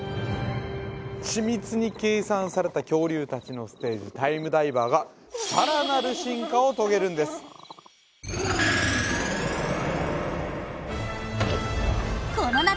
緻密に計算された恐竜達のステージタイムダイバーがさらなる進化を遂げるんですこの夏